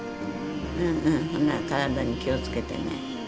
うんうんほんなら体に気を付けてね。